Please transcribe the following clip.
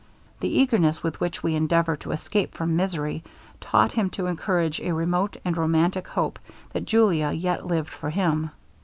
The eagerness with which we endeavour to escape from misery, taught him to encourage a remote and romantic hope that Julia yet lived for him.